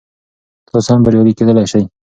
تاسو هم بریالی کیدلی شئ.